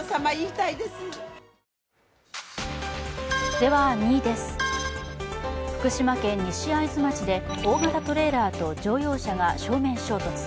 では、２位です、福島県西会津町で大型トレーラーと乗用車が正面衝突。